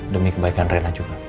demi kebaikan renna juga